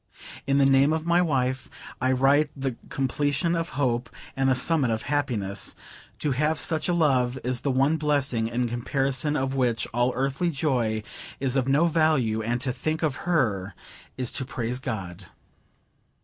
In the name of my wife I write the completion of hope, and the summit of happiness. To have such a love is the one blessing, in comparison of which all earthly joy is of no value; and to think of her, is to praise God.